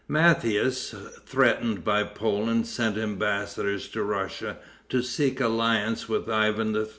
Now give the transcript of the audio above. Matthias, threatened by Poland, sent embassadors to Russia to seek alliance with Ivan III.